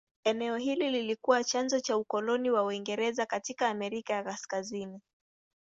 Eneo hili lilikuwa chanzo cha ukoloni wa Uingereza katika Amerika ya Kaskazini.